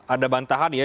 ada bantahan ya